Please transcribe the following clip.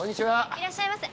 いらっしゃいませ。